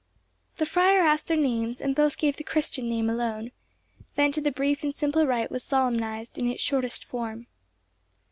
The friar asked their names, and both gave the Christian name alone; then the brief and simple rite was solemnized in its shortest form.